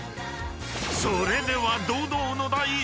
［それでは堂々の］